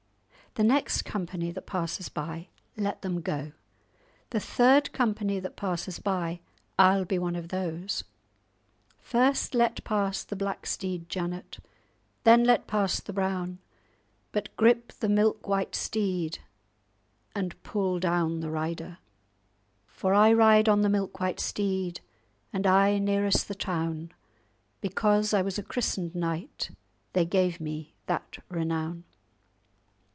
The next company that passes by, let them go. The third company that passes by, I'll be one of those. First let pass the black steed, Janet, then let pass the brown; but grip the milk white steed, and pull down the rider— "For I ride on the milk white steed, And aye nearest the town; Because I was a christened knight, They gave me that renown."